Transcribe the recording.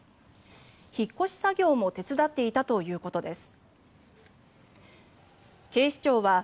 引っ越し作業も手伝っていたということです。